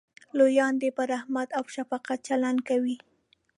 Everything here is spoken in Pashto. لویان دې په رحمت او شفقت چلند کوي.